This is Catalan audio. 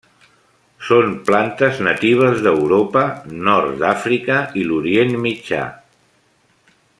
Són plantes natives d'Europa, Nord d'Àfrica i l'Orient Mitjà.